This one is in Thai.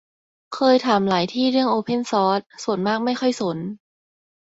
เคยถามหลายที่เรื่องโอเพนซอร์ส ส่วนมากไม่ค่อยสน